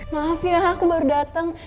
maaf ya aku baru datang